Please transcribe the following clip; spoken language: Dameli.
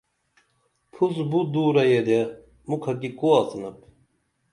پُھوس بُو دُورہ یدے مُکھہ کی کُو آڅِنپ